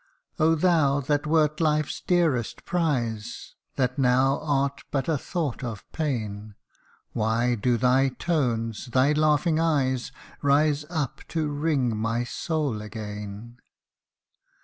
Oh ! thou that wert life's dearest prize, That now art but a thought of pain ; Why do thy tones thy laughing eyes Rise up to wring my soul again